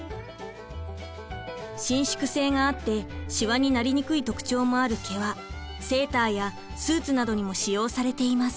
伸縮性があってシワになりにくい特徴もある毛はセーターやスーツなどにも使用されています。